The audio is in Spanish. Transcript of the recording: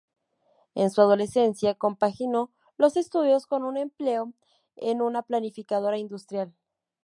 En su adolescencia compaginó los estudios con un empleo en una panificadora industrial.